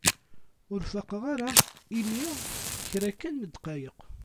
Ur faqeɣ-ara imi kra kan n dqayeq.